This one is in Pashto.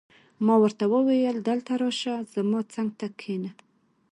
ما ورته وویل: دلته راشه، زما څنګ ته کښېنه.